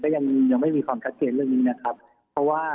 ยังยังไม่มีความชัดเจนเรื่องนี้นะครับเพราะว่า